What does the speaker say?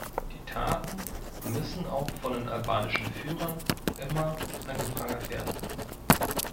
Die Taten müssen auch von den albanischen Führern immer angeprangert werden.